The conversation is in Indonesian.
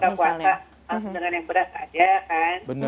buka puasa langsung dengan yang berat ada kan